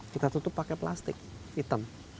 kita tutup pakai plastik hitam